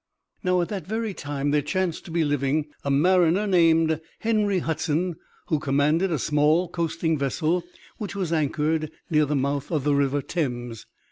Now at that very time there chanced to be living a mariner named Henry Hudson, who commanded a small coasting vessel which was anchored near the mouth of the River Thames.